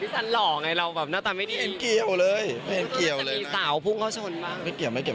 แปลงชอบถามไม่มีไงไม่มี